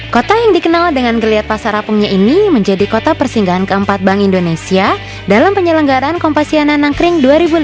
kota yang dikenal dengan geliat pasar apungnya ini menjadi kota persinggahan keempat bank indonesia dalam penyelenggaran kompas siana nangkring dua ribu lima belas